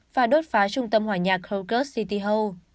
và đốt phá trung tâm hòa nhà crocus city hall